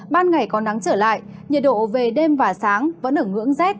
ban ngày có nắng trở lại nhiệt độ về đêm và sáng vẫn ở ngưỡng rét